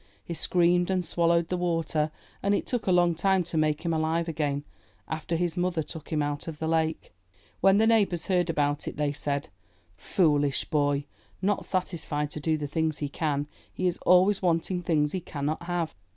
He screamed and swallowed the water, and it took a long time to make him alive again, after his mother took him out of the lake. When the neighbors heard about it, they said, 'Toolish boy, not satisfied to do the things he can — he is always wanting things he can not have.'